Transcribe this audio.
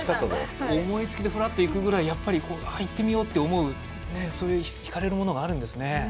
思いつきでふらっと行くぐらい行ってみようって思うくらいそういう引かれるものがあるんですね。